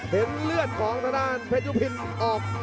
เห็นเลือดของทางด้านเพชรุพินออก